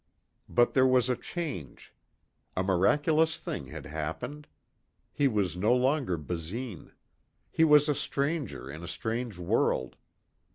But there was a change. A miraculous thing had happened. He was no longer Basine. He was a stranger in a strange world.